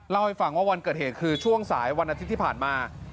เล่าให้ฟังว่าวันเกิดเหตุคือช่วงสายวันอาทิตย์ที่ผ่านมา